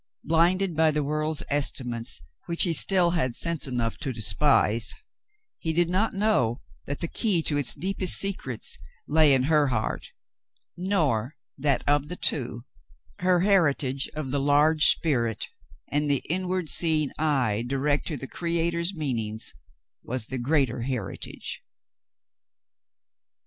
Blinded by the world's estimates which he still had sense enough to despise, he did not know that the key to its deepest secrets lay in her heart, nor that of the two, her heritage of the large spirit and the inward seeing eye direct to the Creator's meanings was the greater heritage.